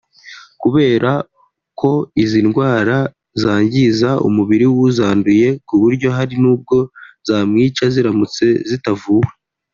Kubera ko izi ndwara zangiza umubiri w'uzanduye ku buryo hari n'ubwo zamwica ziramutse zitavuwe